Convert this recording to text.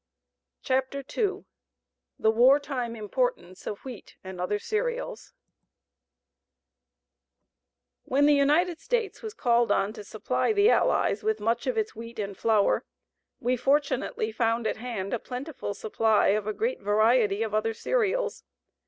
CHAPTER II THE WAR TIME IMPORTANCE OF WHEAT AND OTHER CEREALS When the United States was called on to supply the Allies with much of its wheat and flour, we fortunately found at hand a plentiful supply of a great variety of other cereals.